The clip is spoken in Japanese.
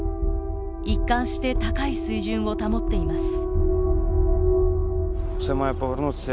一貫して高い水準を保っています。